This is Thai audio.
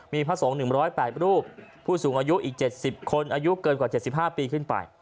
มีพระสงฆ์๑๐๘รูปผู้สูงอายุอีก๗๐คนอายุเกินกว่า๗๕ปีขึ้นไป